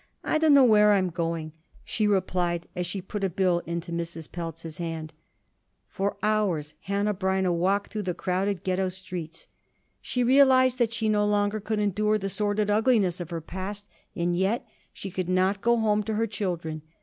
"I don't know where I'm going," she replied as she put a bill into Mrs. Pelz's hand. For hours Hanneh Breineh walked through the crowded Ghetto streets. She realized that she no longer could endure the sordid ugliness of her past, and yet she could not go home to her children.